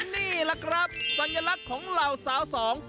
นี่แหละครับสัญลักษณ์ของเหล่าสาวสอง